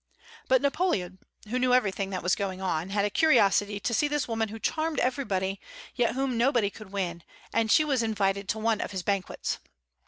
But Napoleon, who knew everything that was going on, had a curiosity to see this woman who charmed everybody, yet whom nobody could win, and she was invited to one of his banquets.